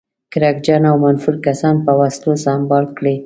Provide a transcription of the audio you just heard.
کرکجن او منفور کسان په وسلو سمبال کړي.